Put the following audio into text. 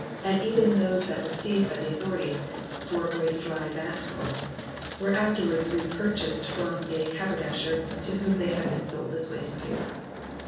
And even those that were seized by the authorities, "four great dry vats full/ were afterwards re purchased from a haber dasher, to whom they had been sold as wastepaper.